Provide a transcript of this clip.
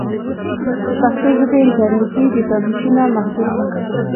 د پښتو ژبې انټرنیټي ډیټابېسونه محدود دي.